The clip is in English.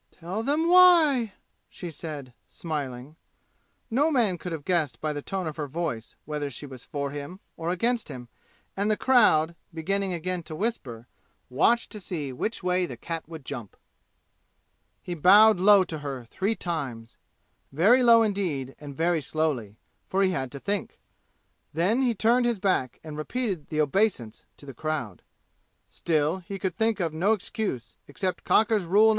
"Tell them why!" she said, smiling. No man could have guessed by the tone of her voice whether she was for him or against him, and the crowd, beginning again to whisper, watched to see which way the cat would jump. He bowed low to her three times very low indeed and very slowly, for he had to think. Then he turned his back and repeated the obeisance to the crowd. Still he could think of no excuse, except Cocker's Rule No.